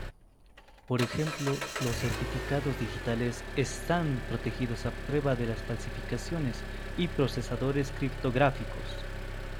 Por ejemplo, los certificados digitales están protegidas a prueba de falsificaciones y procesadores criptográficos.